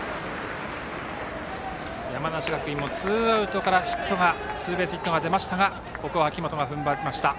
山梨学院もツーアウトからツーベースヒットが出ましたがここは秋本が踏ん張りました。